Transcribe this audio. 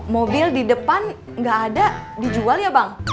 mobil di depan nggak ada dijual ya bang